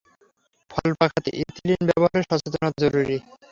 ফল পাঁকাতে ইথিলিন ব্যবহারে সচেতনতা জরুরি।